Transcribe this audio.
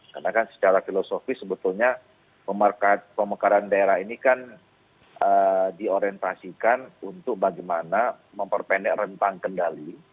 karena kan secara filosofis sebetulnya pemerkaraan daerah ini kan diorientasikan untuk bagaimana memperpendek rentang kendali